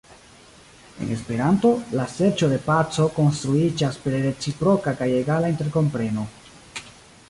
En Esperanto, la serĉo de paco konstruiĝas per reciproka kaj egala interkompreno.